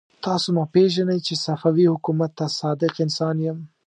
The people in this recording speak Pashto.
تاسو ما پېژنئ چې صفوي حکومت ته صادق انسان يم.